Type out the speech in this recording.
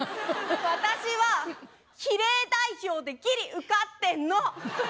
私は比例代表でギリ受かってんの！